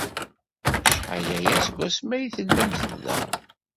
Acḥal aya seg wasmi ay tellamt da?